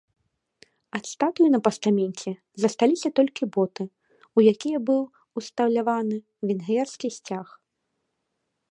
Ад статуі на пастаменце засталіся толькі боты, у якія быў усталяваны венгерскі сцяг.